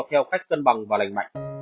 theo cách cân bằng và lành mạnh